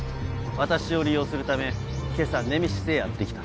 私を利用するため今朝ネメシスへやって来た。